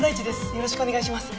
よろしくお願いします。